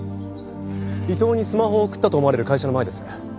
伊藤にスマホを送ったと思われる会社の前です。